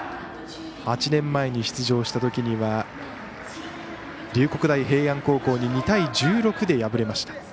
８年前に出場したときには龍谷大平安高校に２対１６で敗れました。